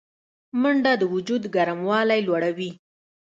منډه د وجود ګرموالی لوړوي